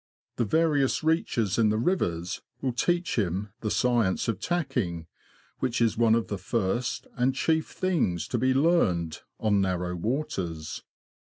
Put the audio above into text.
The various reaches in the rivers will teach him the science of tacking, which is one of the first and chief things to be learned on narrow waters.